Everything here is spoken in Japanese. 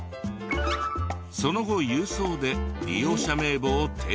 その後郵送で利用者名簿を提出。